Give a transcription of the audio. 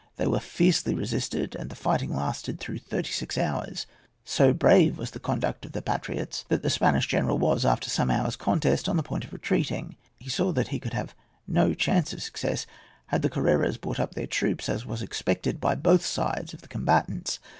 They were fiercely resisted, and the fighting lasted through thirty six hours. So brave was the conduct of the patriots that the Spanish general was, after some hours' contest, on the point of retreating. He saw that he would have no chance of success, had the Carreras brought up their troops, as was expected by both sides of the combatants.